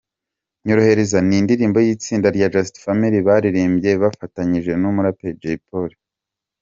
Nyorohereza ni indirimbo y’itsinda rya Just Family baririmbye bafatanyije n’umuraperi Jay Polly.